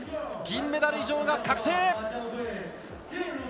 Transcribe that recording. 銀メダル以上が確定！